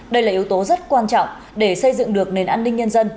đây là yếu tố rất quan trọng để xây dựng được nền an ninh nhân dân